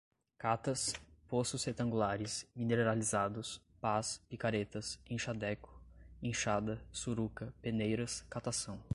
catas, poços retangulares, mineralizados, pás, picaretas, enxadeco, enxada, suruca, peneiras, catação